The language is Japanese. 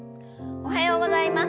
おはようございます。